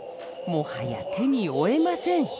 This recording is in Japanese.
もはや手に負えません。